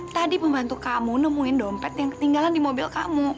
tadi pembantu kamu nemuin dompet yang ketinggalan di mobil kamu